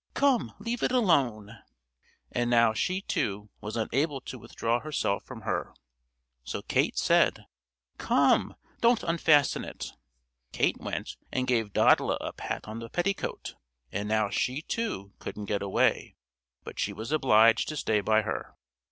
"Come, leave it alone!" And now she, too, was unable to withdraw herself from her. So Kate said: "Come, don't unfasten it!" Kate went and gave Dodla a pat on the petticoat; and now she, too, couldn't get away, but was obliged to stay by her.